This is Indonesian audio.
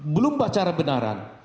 belum pacaran benaran